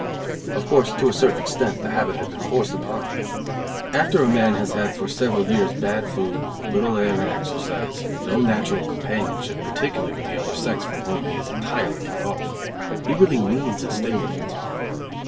Of course, to a certain extent, the habit had been forced upon me. After a man has had for several years bad food, little air and exercise, no natural companionship, particularly with the other sex, from whom he is entirely cut off, he really needs a stimulant.